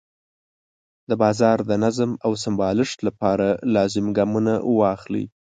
د بازار د نظم او سمبالښت لپاره لازم ګامونه واخلي.